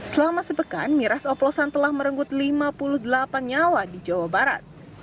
selama sepekan miras oplosan telah merenggut lima puluh delapan nyawa di jawa barat